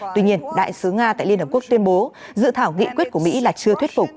tuy nhiên đại sứ nga tại liên hợp quốc tuyên bố dự thảo nghị quyết của mỹ là chưa thuyết phục